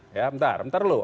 bentar bentar dulu